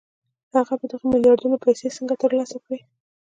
هغه به دغه میلیاردونه پیسې څنګه ترلاسه کړي